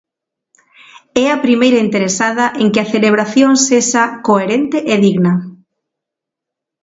É a primeira interesada en que a celebración sexa coherente e digna.